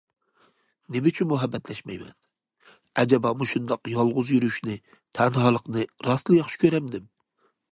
نېمە ئۈچۈن مۇھەببەتلەشمەيمەن؟ ئەجەبا مۇشۇنداق يالغۇز يۈرۈشنى، تەنھالىقنى راستلا ياخشى كۆرەمدىم؟!